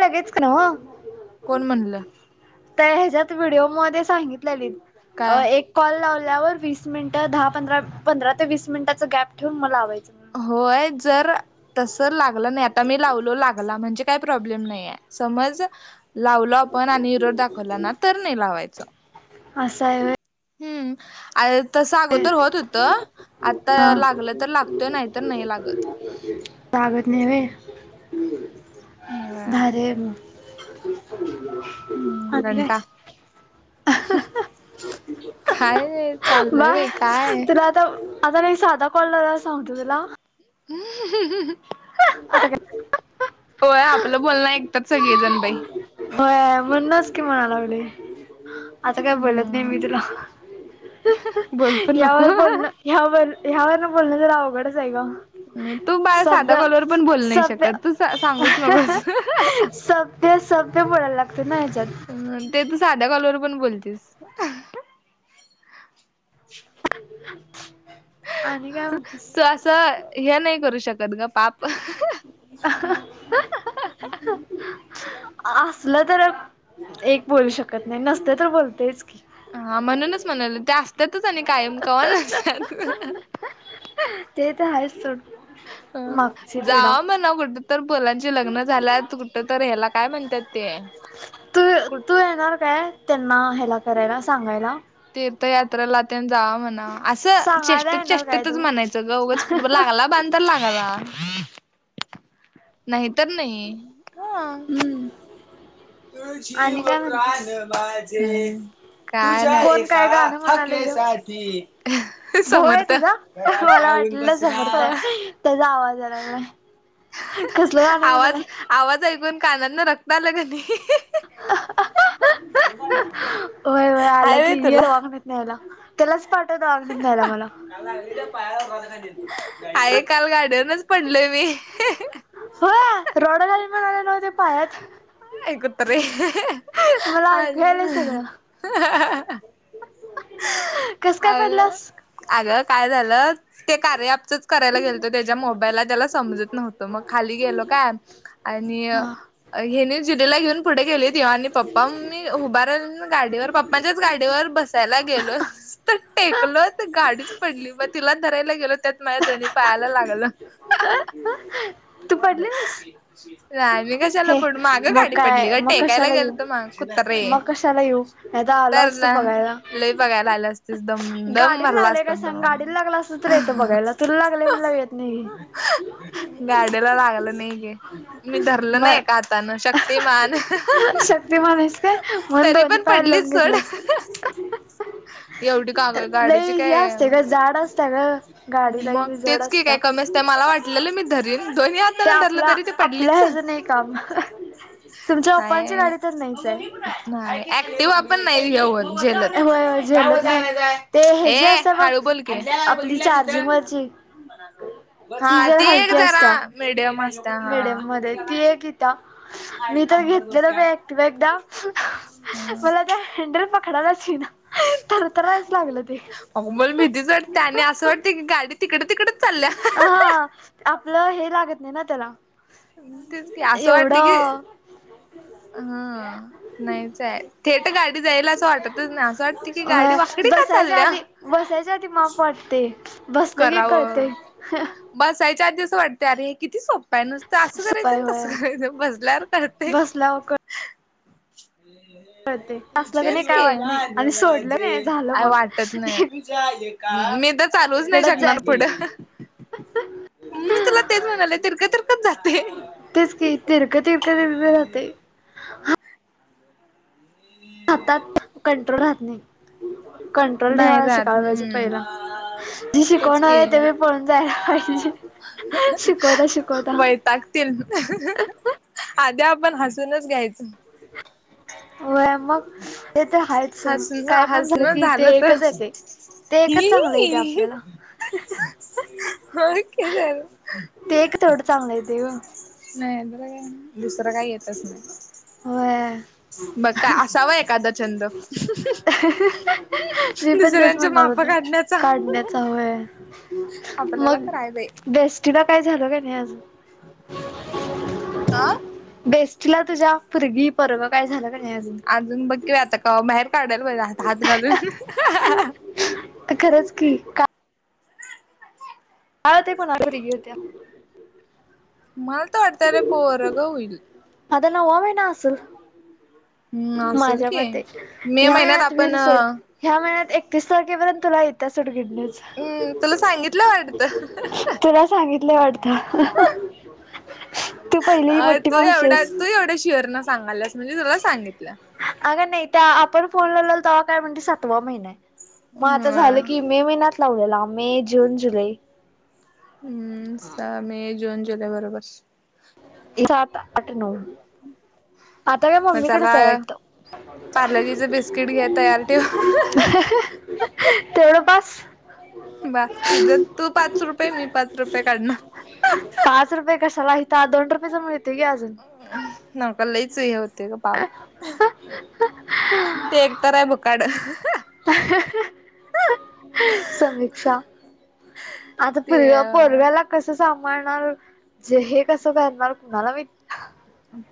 लगेच का ओ...... कोण म्हणलं.... तर ह्याच्यात व्हिडिओ मध्ये सांगितलेली काय एक.... कॉल लावल्यावर वीस मिनिटं दहा पंधरा पंधरा ते वीस मिनिटाचं गॅप ठेवून मला लावायचं..... म्हणून होय जर..... तस लागलं नाही आता मी लावलो लागला म्हणजे काही प्रॉब्लेम नाही आहे समज. लावलो आपण आणि इरोड दाखवला ना तर नाही लावायच. असं आहे हम्म आणि तस व्हय अगोदर होत होत हा आता लागलं तर लाग त नाही तर नाही लागत. लागत नाही होय होय. भारी आहे मग. ह्. [inaudible] हम्म घंटा काय. चाललय बाय बाई काय तुला आता आता नाही एक साधा कॉल लाराला सांगत तुला. ह. [unintelligible] आता काय. होय आपलं बोलणं ऐकतात सगळेजण बाई होय म्हणणस की म्हणालागलोय. आता काय बोलत नाही हम्म मी तुला बोल पण यावर नको बोलणं. ह्यावर ह्यावरन बोलण तर अवघडच आहे ग. तू बाळ साध सभ्य कॉल वर. पण बोलू नाही सभ्य शकत तू सांगूस नगेस. सभ्य सभ्य बोलायला लागते ना ह्याच्यात ते तू साध्या कॉलवर पण बोलतेस. हां [inaudible] तू असं हे नाही करू शकत ग पापं. हा हा हा. असलं तर एक बोलू शकत नाही नसत तर बोलतोयच की. हा म्हणूनच म्हणालो ते असत्याातच आणि कायम कवा नसत्यात. ते तर आहेच सोड मागची हां पिढा जावा म्हणावं कुठ. परत मुलांचे लग्न झाल्यावर कुठं तर ह्याला काय म्हणतात ते? कुठ तू-तू येणार काय? त्यांना ह्याला करायला, सांगायला. तीर्थ यात्रेला तेन जा म्हणाव. असं सांगायला चेष्टेत येणार काय चेष्टेतच तू म्हणायचं ग उगच लागला बाण. लागला तर लागला नाही तर नाही हा. हम्म तु आणि जीव काय म्हणतेस प्राण माझे. तुझ्या कोण एका काय गाणं म्हणाले य हाकेसाठी. भाऊ आहे तुझा मला वाटलेलं समर्थ आहे त्याचा आवाज यायला लागलाय. कसलं गाणं म्हणालाय आवाज आवाज ऐकून कानाना रक्त आलं की नाही. अ हं अ हं. कलं काढल्यास माझी. होय होय आला की इयर वागण्यात नाहीला त्यालाच पाठवत वागण्यातत नाहीला मला. आहे काल गार्डनच पडलय मी. होय रॉड घालीन म्हणालाय नव्ह ते पायात. आये कुत्रे हा मला हा ऐकू हा. हं हं ह. आग अग काय झालं. ते कार्या ॲपचच करायला गेलतो त्याच्या मोबाईलला त्याला समजत नव्हतं मग खाली गेलो काय. आणि हा हेने जिजुला घेऊन. पुढे गेलीत ह्यो आणि पप्पा मी उभारलेलो गाडीवर पप्पाच्याच गाडीवर बस. ह्याला गेलो नुसता हा टेकलो तर गाडीच पडली तिला धरायला. गेलो त्यात माझ्या दोन्ही पायाला लागलं. हा हा. हम् [inaudible] आमी कशाला हे पडू मागं मग गाडी पडली काय का मग टेकायला कशाला गेलो येऊ तर माग. कुत्रे मग कशाला येऊ नाही तर आलो असतो बरला. बघायला लई बघायला आल्या असतील दम दम गाडीला भरला लागलंय असता काय सांग तुला. गाडीला लागला असत तर येतो बघायला तुला लागलंय म्हणाल्यावर येत नाही. गाड्याला लागलं नाही घे. मी धरल ना एका मग हाताने शक्तिमान. का म्हणून तरी दोनी पण पायाला लावून पडलीच सोड घेतल्यास. एवढी काग लई गाडीची ही काय असते गं, जाड असत गं, गाडी लई जड असत्या. ते मला वाटलेलं, मी धरीन. दोन्ही हात ते आपला, आपल्या ह्याजं नाही काम. [unintelligible] पप्पांची गाडी तर नाहीच नाहीय, आहे नाही. ऍक्टिव्हा पण नाही हे होत, झेलत. होय होय [unintelligible] काय झेलत वज नाही आणायचं. ते हे जे असत बघ हळू बोल की. आतल्या [unintelligible] आपली बघितल्या तिथं. चार्जिंग वरची [inaudible] हा, ती एक जरा मिडीयम अस मिडीयम मध्ये. ती एक इत मी तर घेतलेली बाई ऍक्टिव्हा एकदा. [unintelligible] मला ते हॅण्डल पक डायलाच येईना. [unintelligible] थरथरायलाच लागलं ते. आग मला भीतीच वाट्त्या. आणि असं वाटते की गाडी तिकड- तिकडेच चालल्या. [unintelligible] हा आपलं हे लागत नाही ना, त्याला. ते की, आसं वाटते की एवढं हं. नाहीचाय. थेट गाडी जायला असं वाटतच नाही. असं वाटत की गाडी होय वाकडी का बसायच्या चालल्या? आधी बसायच्या आधी माप वाटतय. करावं. बसायच्या आधीच वाटतय, अरे हे किती सोप पाय नुसतं, असं करायचं, सुपाय न होय तसं करायचं. बसल्यावर कळतय. [inaudible] बसल्यावर कळते असलं का नाही तेच काय की, वाटत नाही आणि सोडलं नाही झालं काय मग वाटत नाही. [inaudible] मी तर चालवूच नाही इकडच शकणार, जायते पुढं. मी तुला तेच म्हणाले. तिरक तिरकच जातय. तेच की. तिरक-तिरकच ते [unintelligible] राहतय. [unintelligible] हातात, कंट्रोल राहत नाही. [unintelligible] कंट्रोल नाही ठेवायला राहत शिकायला पाहिजे पहिला. जी हम्म तेच शिकवणार की आहे ते बी पळून जायला पाहिजे. शिकवता शिकवता [unintelligible] वैतागतील. [unintelligible] आधी आपण हसूनच घ्यायचं. [inaudible] व्हय, मग. ते तर हायच सोड. हसन काय पण झालं हसणं की, ते तर एकच येतेय. ते एकच ही चांगलं येतेय, आपल्याला. [unintelligible] होय की तर. ते एक तेवडं चांगलं येतय गं. नाही येत तर काय. दुसरं काही येतच नाही. होय. बघ काय, असावा एखादा छंद. [unintelligible] मी पण तेच दुसऱ्यांचे म्हणणार माप होतो. काढण्याचा काढण्यात. च वय. आपल्याला मग, तर आहे बाई बेस्टीला काय झाल का नाही? अज आ. बेस्टीला तुझ्या. पुरगी - पोरगं काय झालं का नाही, अजून? अजून बघ कि आता, कवा बाहेर काढल होय आता हात घालून. [unintelligible] खरंच की. का ह ते पण, [unintelligible] होत्या. मला तर वाटतय, अरे पोरगं होईल. आता नववा महिना असल. हम्म असेल माझ्या की मते. मे महिन्यात ह्यात आपण वील सोड. हम्म ह्या महिन्यात एकतीस तारखेपर्यंत, तुला येत अस गुड न्युज. हम्म. तुला सांगितलं वाट तुला सांगितलं वाटतं. [unintelligible] तू पहिली [unintelligible] अ मोठी तू मावशी एवढा, आहेस. तू एवढ्या शुअर न सांगायलास. म्हणजे तुला सांगितलं. अग नाही त्या, आपण फोन लावलाल ते्व्हा काय म्हणली, सातवा महिनाय. मग आता झालं हम्म की मे महिन्यात लावलेला मे जून जुलै हम्म मे जून जुलै बरोबर सात आठ नऊ आता काय मग चला मम्मीकडेच आहे वाटतं. पार्लजीचं बिस्किट घे तयार ठेव तेवढ बास? बास तुझ् तू पाच रुपये मी पाच रुपये काढणार. रुये कशाला हित दोन रुपयेच मिळतय की अजू नाकाला लयच हे होतय ग पाप ते कराय बकाड समीक्षा आता ते पोर पोरग्याला कसं सांभाळणार जे हे कसं करणार कुणाला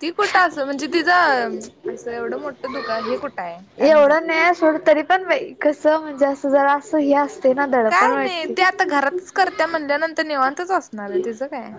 ती कुठं असं म्हणजे तिझं असं एवढं मोठं दुख हे कुठं आहे काय म्हणतात? नाहीये सोड तरी पण बाई कस म्हणजे जस जरास हे ना दडपण काय नाही वाटते ते आता घरातच करत्या म्हणल्यानंतर निेवांतच असणार आहे तिचं काय?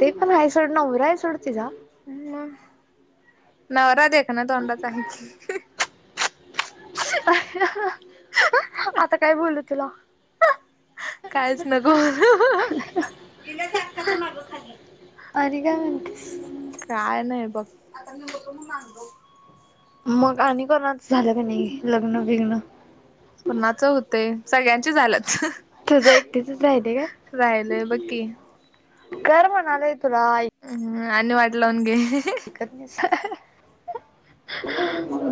ते पण आहे सोड नवरा हाय सोड तीझा. ह मग नवरा देखना तोंडाच आहे की. आता काय बोलू तुला? कायच नको आकाच्या माग खाली आणि काय म्हणतेस? काय नाही बघ. मग आणि कोणाच झालं का नाही लग्न बिघ्न कुणाच हुतय सगळ्यांची झाल्यात तुझ एकटीचच आहे ते राहिलय बघ की काय कर म्हणालंय तुला हम्म आणि वाटलंवून घे [inaudible]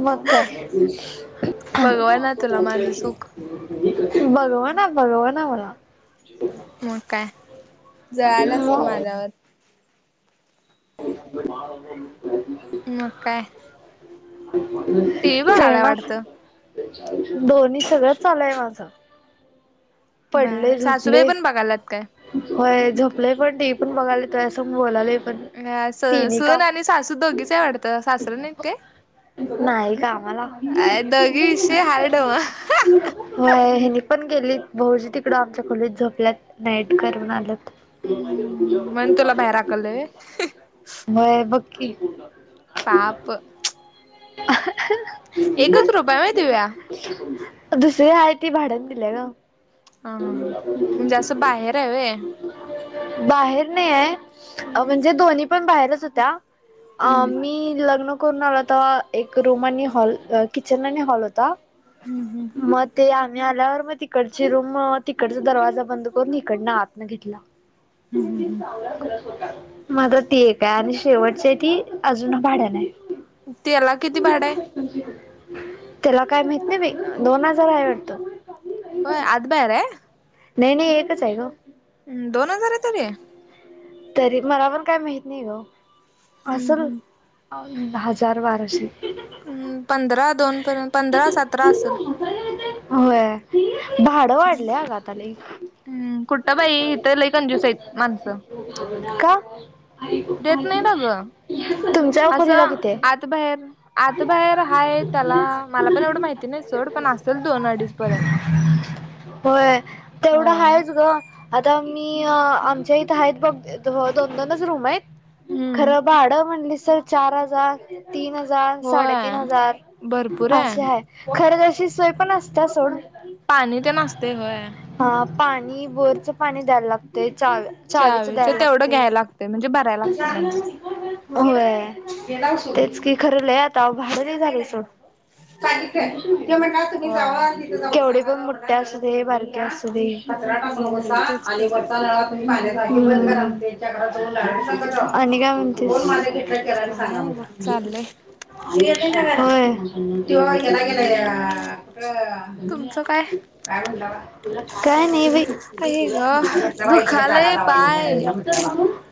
मग काय? बघवा ना तुला माझं सुख बघवना बघवना म्हणावं. [inaudible] मग काय जळालास तू मग माझ्यावर [inaudible] [inaudible] मग काय? टी व्ही बघायला खेळणार वाटतं दोन्ही सगळंच् चालूय माझं. पडले बरं सासूबाई झोपले पण बघायलात काय? होय झोपलाय पण टीव्ही पण बघालोय तुझा संग बोलालोय पण अ स तिन्ही सून काम आणि सासू दोघीच आहे वाटतं सासरं नाही काय? नाही कामाला अ दोघी विषय हार्ड म व्हय हेनी पण गेलीत भाऊजी तिकडं आमच्या खोलीत झोपल्यात नाईट करून आल्यात. लय होय बघ की. पाप [inaudible] एकच रूमअय व्हय दिव्या? दुसरी आहे ती भाड्यान दिलीया ग. हा [inaudible] हा हा म्हणजे असं बाहेर हाय व्हय बाहेर नाही आहे हम्म म्हणजे दोन्ही पण बाहेरच होत्या आ हम्म मी लग्न करून आलो तवा एक रूम आणि हॉल किचन आणि हॉल होता. हम्म हम्म म ते आम्ही आल्यावर मग ती तिकडची रूम तिकडचा दरवाजा बंद करून इकडनं आत न घेतला. हम्म हम्म हम्म. मात्र ती एक आहे आणि शेवटची आहे ती अजून भाड्याण आहे. त्याला किती भाड आहे. त्याला काय माहित नाही बई दोन हजार आहे वाटत. होय [unintelligible] नाही नाही एकच आहे ग. हम्म दोन हजारातच ये. तरी मला पण काय माहीत नाही ग हम्म असल हम्म हजार बाराशे म पंधरा दोन पर्यंत पंधरा सतरा असेल. व्हय भाडं वाढलय ग आता लई. हम्म कुठ बाई इथ लई कंज्युस आहेत माणसं. का? देत नाहीत अगं [unintelligible] तुमच्या खोलीला असं किती आहे. आत बाहेर आत बाहेर हाय त्याला मला पण एवढं माहिती नाही सोड पण असेल दोन अडीच पर्यंत [inaudible] होय तेवढं होय आहेच ग आता मी आमच्या इथ आहेत बघ दोन दोनच रूम आहेत हम्म खरं भाडं म्हणली सर चार हजार तीन हजार साडेतीन होय हजार भरपूर आहे अशे आहेत. खरं तशी सोय पण असत्या सोड. पाणी ते [unintelligible] मासते होय. हा पाणी बोरचं पाणी द्यायल लागतय चा चावेच तेवढं घ्यायला लागतय म्हणजे भरायला लागतं त्यांना. होय तेच कि हम्म खर लय आता भाड लय झाले सोड. [unintelligible] होय केवढे पण मोठे असू दे बारके असू दे. हम्म हम्म. तेच की [unintelligible] आणि काय म्हणतेस. काय बघ चाललंय होय. तुमचं काय [unintelligible] काय नाही बई. आई ग दुखालय पाय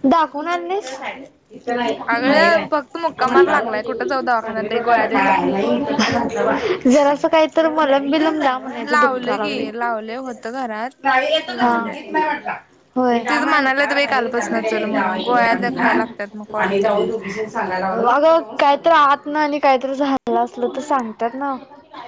[unintelligible] दाखवून आणलेस. [unintelligible] [unintelligible] अगं फक्त मुक्का मार लागलाय कुठं जाऊ दवाखान्यात लय गोळ्या देतात जरा असं काही तर मलम बिलम लाव म्हणायचं [unintelligible] दुखता लावलं वागळे. की लावले होतं घरात हा लावलंय होय. तिच [unintelligible] अग म्हणाला तर बाई कालपासन चल म्हणून गोळ्या खायला लागतात मग वाढते काहीतरी आहत ना आणि काहीतरी झालं असलं तर सांगतात ना.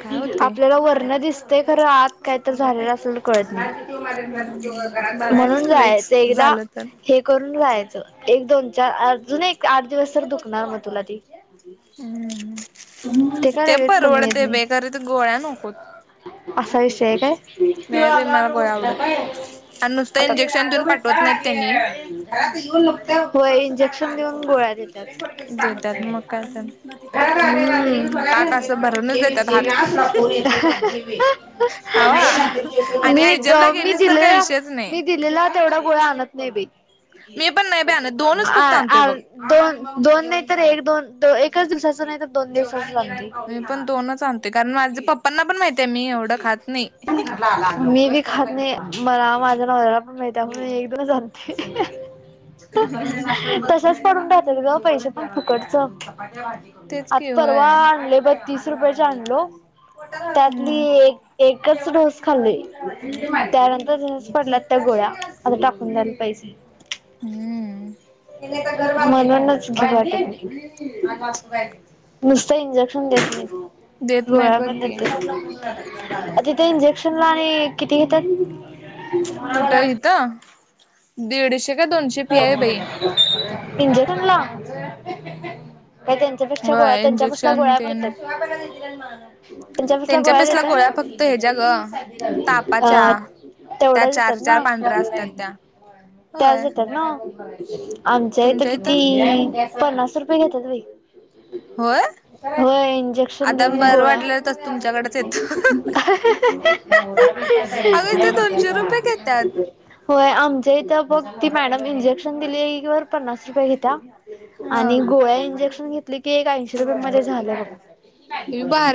काय होते आपल्याला वरण दिसतय खरं आत काय तर झालेलं असेल कळत नाही. हम्म म्हणून बघायचं जायाच लईच एकदा झालं तर. हे करून जायचं एक दोन चार अजून एक आठ दिवस तर दुखणार मग तुला ती. हम्म ते काय लगेच कमी येत परवडते नाही. तरी बेकारी ते गोळ्या नकोत. असा विषय नाही बाई मला गोळ्या काय. आवडत आणि नुसतं आता इंजेक्शन देऊन पाठवत नाहीत त्यांनी [unintelligible] होय इंजेक्शन देऊन गोळ्या देत तात देतात मग काय तर हम्म. पाक असं भरूनच देतात हात खावा [unintelligible] आणि मी द आयजमला मी गेलीच तर काही दिलेला विषयच नाही मी दिलेला तेवढा गोळ्या आणत नाही बाई मी पण नाही बी आणत दोनच फक्त आ- आ आणतोय बघ दोन -दोन नाही तर एक दोन एकाच दिवसाच नाही तर दोन दिवसाच. [unintelligible] मी पण दोनच आणतेय कारण माझ्या पप्पांना पण माहितीय मी एवढं- खात नाही. मी बी खात नाही मला माझ्या नावर्याला पण माहिती आहे तसंच पडून राहतात गं पैसे पण फुकटच तेच आता की होय परवा आणले बत्तीस रुपया आणलो त्यातली हम्म एक एकच डोस खाल्लीय त्यानंतर तसंच पडलात त्या गोळ्या आता टाकून द्याला पाहिजेत [inaudible] हम्म म्हणूनच घेत नाही मी नुसत इंजेक्शन देत नाहीत देत नाहीत गोळ्या बघ पण की देतात अ तिथे इंजेक्शन ला आणि किती घेतात कुठं इथं दीडशे का दोनशे फी आहे बाई इंजेक्शनला का त्यांच्या त्यांच्या गोळ्या होय त्यांच्यापासल्या इंजेक्शन गोळ्या पण तेन देत्यात त्यांच्यापसल्या त्यांच्या गोळ्या पेसला फक्त ह्याच्या ग देण्यात हा तापाच्या त्या तेवढ्याच चार देतात चार ना. पांढऱ्या असतात त्या त्याच होय देतात आमच्या इथ तुमच्या इथं किती पन्नास रुपये घेतात बाई. होय होय इंजेक्शन आता देऊन बरं गोळ्या वाटलं तर तुमच्याकडेच येतो. अगं इथे दोनशे रुपये घेतात [inaudible] होय आमच्या इथं बघ ती मॅडम इंजेक्शन दिली कि वर पन्नास रुपये घेत्या हा आणि गोळ्या इंजेक्शन घेतले की एक ऐंशी रुपये मध्ये झालं हे बघ भारी